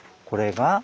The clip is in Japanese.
これが？